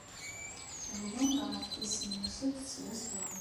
Wwḍen-d ɣef tis semmuset swaswa.